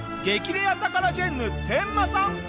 レアタカラジェンヌテンマさん。